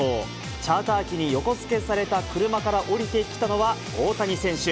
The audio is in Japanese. チャーター機に横付けされた車から降りてきたのは、大谷選手。